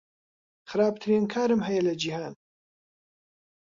خراپترین کارم هەیە لە جیهان.